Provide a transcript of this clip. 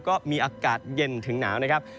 ก็มีอากาศเย็นถึงหนาวนะครับ